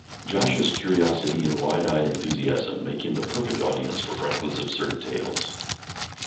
Josh's curiosity and wide-eyed enthusiasm make him the perfect audience for Franklin's absurd tales.